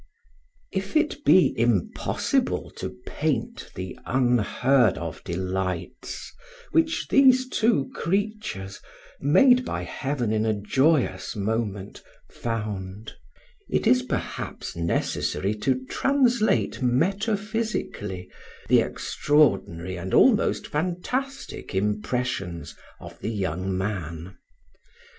If it be impossible to paint the unheard of delights which these two creatures made by heaven in a joyous moment found, it is perhaps necessary to translate metaphysically the extraordinary and almost fantastic impressions of the young man.